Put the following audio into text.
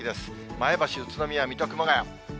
前橋、宇都宮、水戸、熊谷。